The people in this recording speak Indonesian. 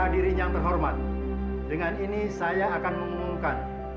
under kandung uragewuar iv mus kah anti choroso